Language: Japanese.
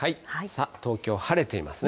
東京、晴れていますね。